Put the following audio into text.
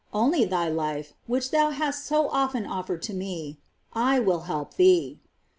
— only thy life, which thou hast so often offered to Me. I will help thee."